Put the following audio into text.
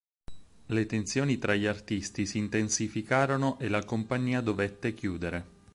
Le tensioni tra gli artisti si intensificarono e la compagnia dovette chiudere.